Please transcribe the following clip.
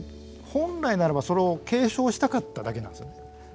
本来ならばそれを警鐘したかっただけなんですよね。